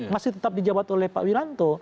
masih tetap di jabat oleh pak wiranto